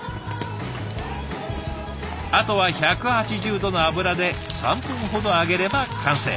あとは１８０度の油で３分ほど揚げれば完成。